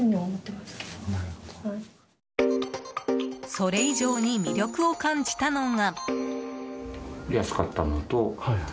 それ以上に魅力を感じたのが。